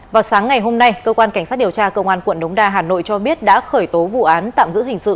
vào sáng ngày hôm nay cơ quan cảnh sát điều tra công an quận đống đa hà nội cho biết đã khởi tố vụ án tạm giữ hình sự